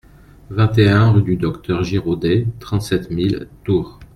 vingt et un rue du Docteur Giraudet, trente-sept mille Tours